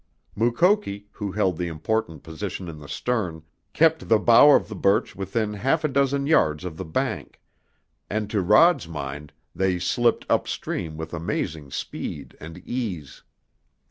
Mukoki, who held the important position in the stern, kept the bow of the birch within half a dozen yards of the bank, and to Rod's mind they slipped up stream with amazing speed and ease.